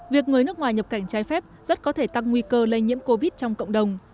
việc người nước ngoài nhập cảnh trái phép rất có thể tăng nguy cơ lây nhiễm covid trong cộng đồng